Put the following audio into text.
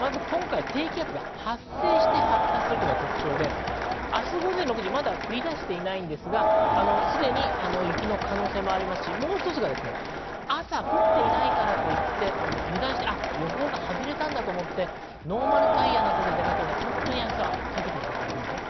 今回、低気圧が発生して発達するのが特徴で明日午前６時まで降り出していないんですがすでに雪の可能性もありますし、もう一つ、朝降っていないからといって油断して、予報が外れたんだと思ってノーマルタイヤなどで出かけるのは明日は避けていただきたいです。